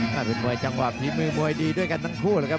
เป็นมวยจังหวะฝีมือมวยดีด้วยกันทั้งคู่เลยครับ